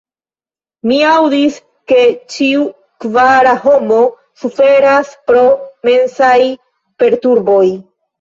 Mi aŭdis, ke ĉiu kvara homo suferas pro mensaj perturboj.